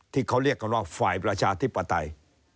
ที่เขาเรียกกันว่าฝ่ายประชาธิปไตย